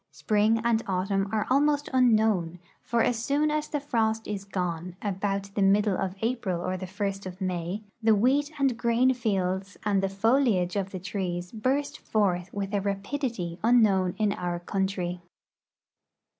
Spring and autumn are almost unknown, for as soon as the frost is gone, about the middle of April or the first of May, the wheat and grain fields and the foliage of the trees burst forth with a rapidit}' unknown in our country.